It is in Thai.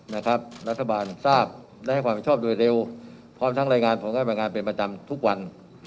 นะครับรัฐบาลทราบได้ให้ความผิดชอบโดยเร็วพร้อมทั้งรายงานของรายงานเป็นประจำทุกวัน